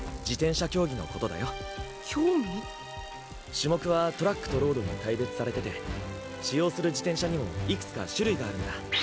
種目はトラックとロードに大別されてて使用する自転車にもいくつか種類があるんだ。